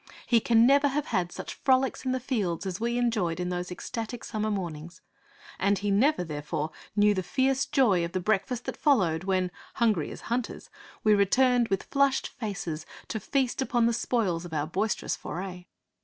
He can never have had such frolics in the fields as we enjoyed in those ecstatic summer mornings. And he never, therefore, knew the fierce joy of the breakfast that followed when, hungry as hunters, we returned with flushed faces to feast upon the spoils of our boisterous foray.